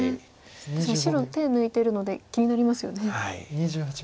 確かに白手抜いているので気になりますよね。